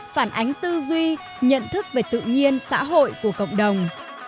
phản ánh tư duy nhận thức về tự nhiên xã hội của cộng đồng